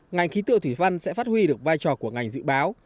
ngành khí tượng thủy văn sẽ phát huy được vai trò của ngành dự báo